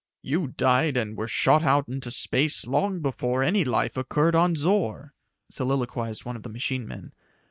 "You died and were shot out into space long before any life occurred on Zor," soliloquized one of the machine men.